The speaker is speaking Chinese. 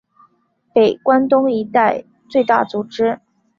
北关东一带最大组织。